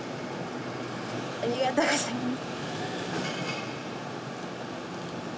ありがとうございます。